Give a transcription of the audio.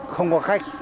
không có khách